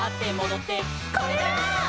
「これだー！」